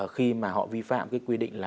khi mà họ vi phạm được cái quy định này